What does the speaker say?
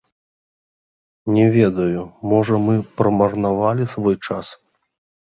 Не ведаю, можа мы прамарнавалі свой час.